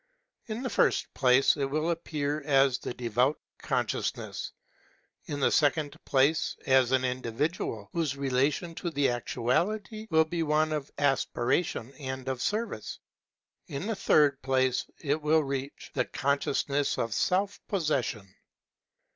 In the first place it will appear as the Devout Consciousness; in the second place, as an individual, whose relation to the actuality will be one of aspiration and of service; in the third place it will reach the consciousness of self possession.